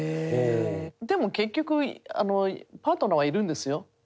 でも結局パートナーはいるんですよ。